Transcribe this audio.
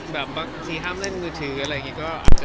บางทีห้ามเล่นมือถืออะไรอย่างนี้